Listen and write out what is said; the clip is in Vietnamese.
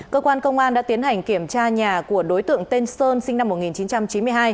cơ quan công an đã tiến hành kiểm tra nhà của đối tượng tên sơn sinh năm một nghìn chín trăm chín mươi hai